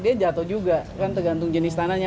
dia jatuh juga kan tergantung jenis tanahnya